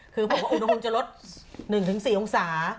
คือบอกว่าอุณหภูมิจะลด๑๔องศา